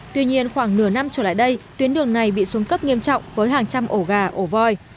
tuy nhiên khoảng nửa năm trở lại đây tuyến đường này bị xuống cấp nghiêm trọng với hàng trăm ổ gà ổ voi